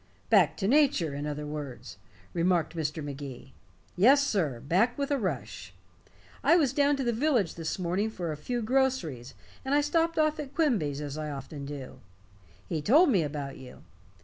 "Back to nature, in other words," remarked Mr. Magee. "Yes, sir back with a rush. I was down to the village this morning for a few groceries, and I stopped off at Quimby's, as I often do. He told me about you.